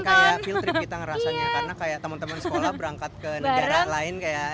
kayak peel trip kita ngerasanya karena kayak teman teman sekolah berangkat ke negara lain kayak